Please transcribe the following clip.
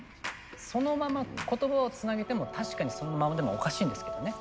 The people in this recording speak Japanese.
そのまま言葉をつなげても確かにそのままでもおかしいんですけどね。